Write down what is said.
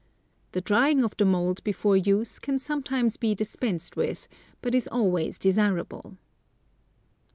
The drying of the mould before use can sometimes be dispensed with, but is always desirable.